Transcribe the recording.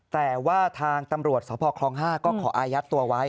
แต่ว่าทางตำรวจสพคล๕ก็ขออายัดตัวไว้